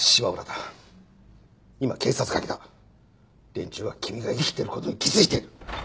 連中は君が生きてる事に気づいてる。